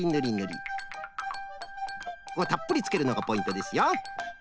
たっぷりつけるのがポイントですよ。